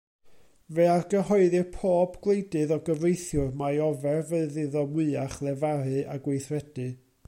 Fe argyhoeddir pob gwleidydd o gyfreithiwr mai ofer fydd iddo mwyach lefaru a gweithredu.